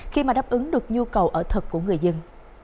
khi mà đáp ứng được nhu cầu ở thực của người dân